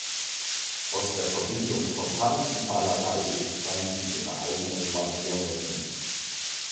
Aus der Verbindung von Tanz und Malerei entstanden ihre eigenen Marionetten.